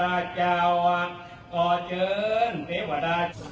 นักโมทรัพย์ภักวะโตอาระโตสัมมาสัมพุทธศาสตร์